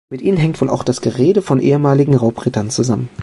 Mit ihnen hängt wohl auch das Gerede von ehemaligen Raubrittern zusammen.